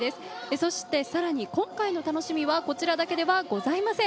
そしてさらに、今回の楽しみはこちらだけではございません。